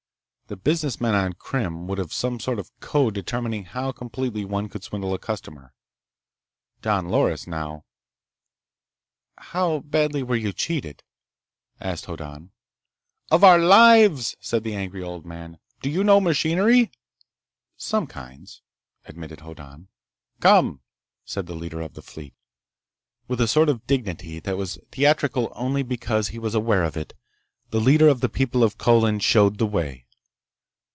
The business men on Krim would have some sort of code determining how completely one could swindle a customer. Don Loris, now— "How badly were you cheated?" asked Hoddan. "Of our lives!" said the angry old man. "Do you know machinery?" "Some kinds," admitted Hoddan. "Come," said the leader of the fleet. With a sort of dignity that was theatrical only because he was aware of it, the leader of the people of Colin showed the way.